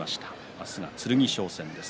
明日は剣翔戦です。